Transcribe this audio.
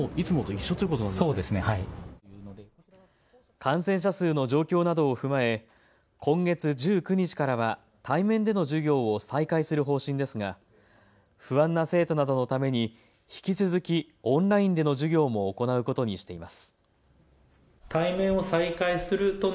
感染者数の状況などを踏まえ今月１９日からは対面での授業を再開する方針ですが不安な生徒などのために引き続き、オンラインでの授業も行うことにしています。